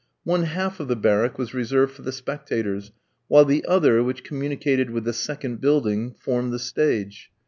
One half of the barrack was reserved for the spectators, while the other, which communicated with the second building, formed the stage.